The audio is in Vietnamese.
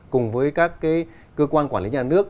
cùng với các cơ quan quản lý nhà nước